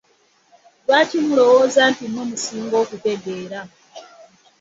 Lwaki mulowooza nti mmwe musinga okutegeera.